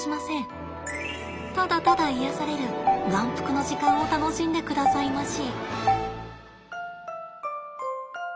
ただただ癒やされる眼福の時間を楽しんでくださいまし。